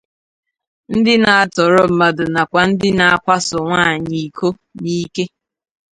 ndị na-atọrọ mmadụ nakwa ndị na-akwasò nwaanyị iko n'ike.